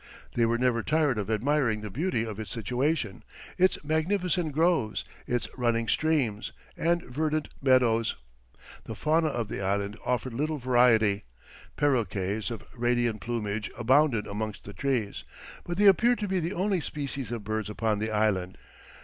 They were never tired of admiring the beauty of its situation, its magnificent groves, its running streams, and verdant meadows. The fauna of the island offered little variety; parroquets of radiant plumage abounded amongst the trees, but they appeared to be the only species of birds upon the island.